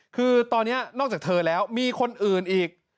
คือตอนนี้นอกจากเธอแล้วมีคนอื่นอีก